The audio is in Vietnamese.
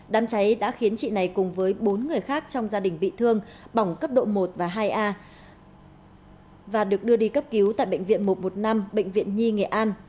đám cháy đã khiến chị này cùng với bốn người khác trong gia đình bị thương bỏng cấp độ một và hai a và được đưa đi cấp cứu tại bệnh viện một trăm một mươi năm bệnh viện nhi nghệ an